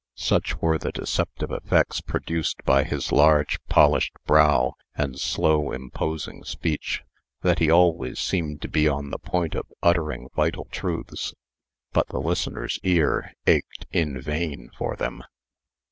Such were the deceptive effects produced by his large, polished brow, and slow, imposing speech, that he always seemed to be on the point of uttering vital truths. But the listener's ear ached in vain for them.